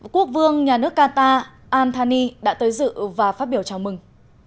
quốc vương nhà nước qatar anthony đã tới dự và phát biểu chào mừng